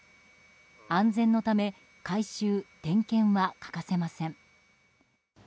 安全のため改修・点検は欠かせません。